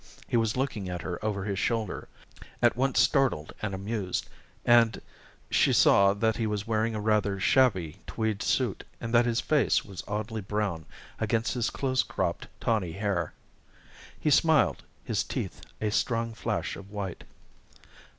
He was looking at her over his shoulder, at once startled and amused, and she saw that he was wearing a rather shabby tweed suit and that his face was oddly brown against his close cropped, tawny hair. He smiled, his teeth a strong flash of white.